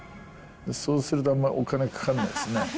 そうするとあんまりお金かかんないですね。